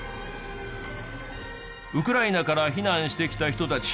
ウクライナから避難してきた人たち